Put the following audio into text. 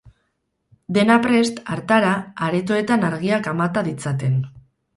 Dena prest, hartara, aretoetan argiak amata ditzaten.